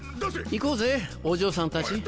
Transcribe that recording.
行こうぜお嬢さんたち。